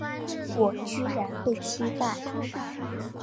我居然会期待